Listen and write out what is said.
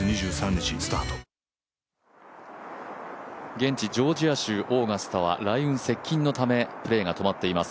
現地ジョージア州オーガスタは雷雲のためプレーが止まっています。